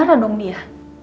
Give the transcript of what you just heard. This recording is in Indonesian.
marah marah dong dia